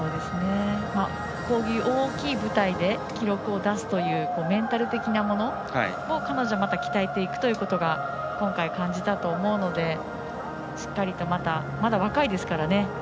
こういう大きい舞台で記録を出すというメンタル的なものを彼女はまた鍛えていくということを今回、感じたと思うのでまだ若いですから。